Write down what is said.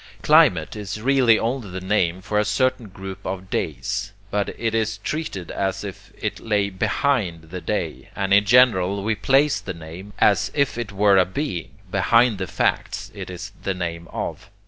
Climate is really only the name for a certain group of days, but it is treated as if it lay BEHIND the day, and in general we place the name, as if it were a being, behind the facts it is the name of.